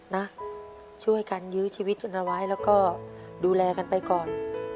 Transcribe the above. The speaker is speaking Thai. นะช่วยกันยื้อชีวิตกันเอาไว้แล้วก็ดูแลกันไปก่อน